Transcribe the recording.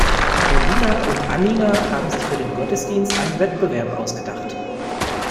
Elina und Annina haben sich für den Gottesdienst einen Wettbewerb ausgedacht.